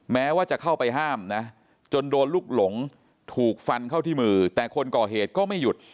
แม้ว่าจะเข้าไปห้ามนะจนโดนลูกหลงถูกฟันเข้าที่มือแต่คนก่อเหตุก็ไม่หยุด